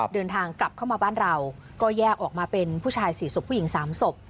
เดินทางกลับเข้ามาบ้านเราก็แยกออกมาเป็นผู้ชาย๔ศพผู้หญิง๓ศพ